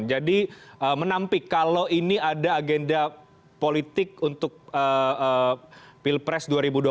jadi menampik kalau ini ada agenda politik untuk pilpres dua ribu dua puluh empat